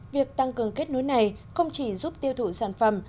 việc tăng cường kết nối này không chỉ giúp tiêu thụ sản phẩm